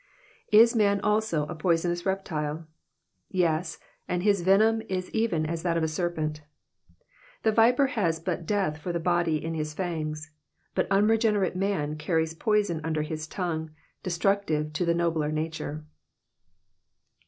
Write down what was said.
'''' Is man also a poisonous reptile ? Yes, and his venom is even as that of a serpent. The viper has but death for the body in his fangs ; but unregenerate man carries poison under his tongue, destructive to the nobler nature.